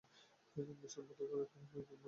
Mission বাতিল করার কারণ, ওই বিমানে ব্যবহূত জ্বালানি।